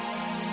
aduh ayo bentar